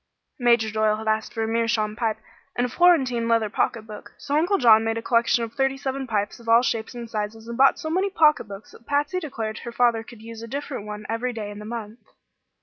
Major Doyle had asked for a meerschaum pipe and a Florentine leather pocket book; so Uncle John made a collection of thirty seven pipes of all shapes and sizes, and bought so many pocketbooks that Patsy declared her father could use a different one every day in the month.